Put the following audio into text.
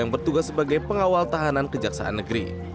yang bertugas sebagai pengawal tahanan kejaksaan negeri